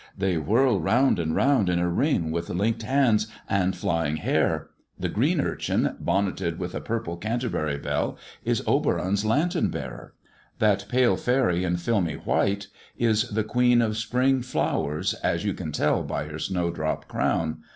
They whirl round and round in a ring with linkM hands,^an(i flying hair. The green urchin, bonneted with a purple Canterbury bell, is Oberon's lantern bearer ; that pale faery in filmy white is the queen of spring flowers, as you can tell by her snowdrop crown.